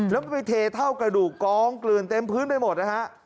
แล้วมันไปเทเท่ากระดูกกองเกลือนเต็มพื้นไปหมดนะฮะ